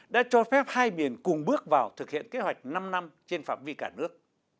đã cho phép hai miền cùng bước vào thực hiện kế hoạch năm năm trên phạm vi cả nước